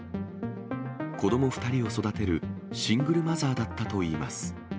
子ども２人を育てるシングルマザーだったといいます。